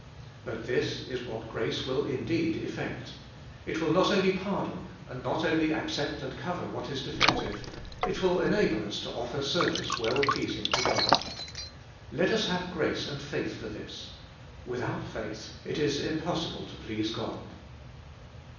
But this is what grace will indeed effect. It will not only pardon, and Gbe Doltest of BU sis not only accept and cover what is defective ; it will enable us to offer service well pleasing to God. Let us have grace and faith for this ; without faith it is impossible to please God.